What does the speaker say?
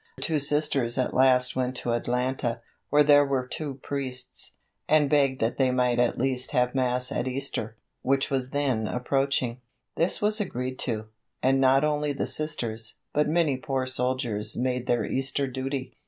Two Sisters at last went to Atlanta, where there were two priests, and begged that they might at least have Mass at Easter, which was then approaching. This was agreed to, and not only the Sisters, but many poor soldiers made their Easter duty.